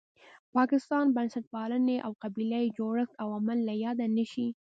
پاکستان، بنسټپالنې او قبیله یي جوړښت عوامل له یاده نه شي.